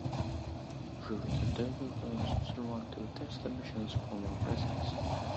Ruined adobe walls survive to attest the mission's former presence.